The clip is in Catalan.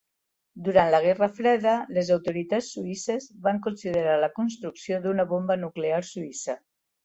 Durant la Guerra Freda, les autoritats suïsses van considerar la construcció d'una bomba nuclear suïssa.